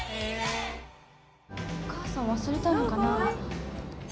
お母さん忘れたのかな？